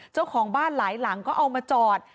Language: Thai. เจ้าของบ้านหลายหลังก็เอามาจอด